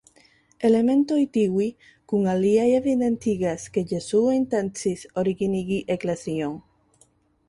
Elementoj tiuj kun aliaj evidentigas ke Jesuo intencis originigi eklezion.